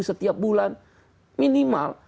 setiap bulan minimal